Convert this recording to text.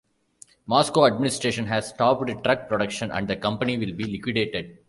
Moscow administration has stopped truck production and the company will be liquidated.